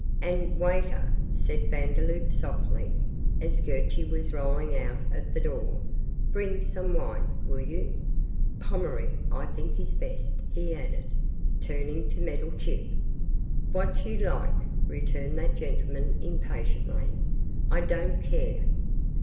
'And, waiter,' said Vandeloup, softly, as Gurchy was rolling out of the door, 'bring some wine, will you? Pommery, I think, is best,' he added, turning to Meddlechip. 'What you like,' returned that gentleman, impatiently, 'I don't care.